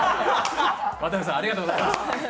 渡部さんありがとうございます。